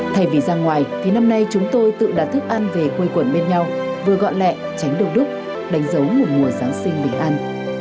thay vì ra ngoài thì năm nay chúng tôi tự đã thức ăn về quây quần bên nhau vừa gọn lẹ tránh đồ đúc đánh dấu mùa giáng sinh bình an